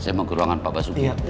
saya mau ke ruangan pak basuki